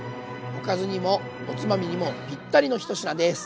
おかずにもおつまみにもぴったりの１品です。